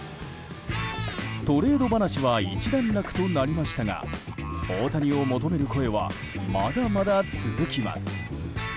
トレード話は一段落となりましたが大谷を求める声はまだまだ続きます。